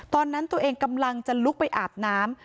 ตอนนั้นตัวเองกำลังจะลุกไปอาบน้ำ